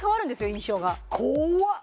印象が怖っ！